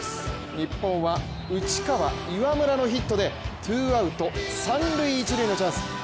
日本は内川、岩村のヒットでツーアウト三・一塁のチャンス。